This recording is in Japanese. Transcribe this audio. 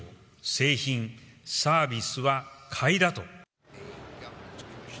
製品、サービスは買いだと。